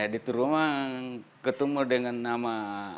di turoma ketemu dengan nama